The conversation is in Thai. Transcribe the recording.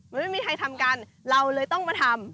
มันไม่มีใครทำกันเราเลยต้องมาทำ